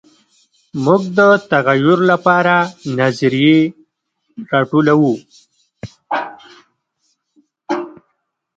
موږ د تغیر لپاره نظریې راټولوو.